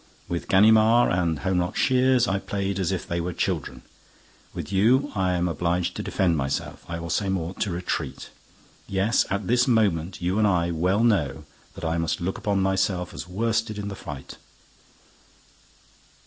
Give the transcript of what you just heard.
With Ganimard and Holmlock Shears I played as if they were children. With you, I am obliged to defend myself, I will say more, to retreat. Yes, at this moment, you and I well know that I must look upon myself as worsted in the fight.